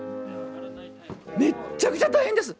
めっちゃくちゃ大変です！